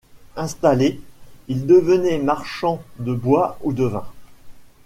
Installés, ils devenaient marchands de bois ou de vin.